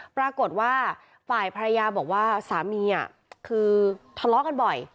ปรากฏว่าฝ่ายภรรยาบอกว่าสามีคือทะเลาะกันบ่อย